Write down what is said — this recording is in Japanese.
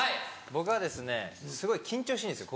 僕はすごい緊張してんですよ